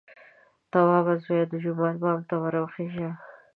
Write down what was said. _توابه زويه! د جومات بام ته ور وخېژه!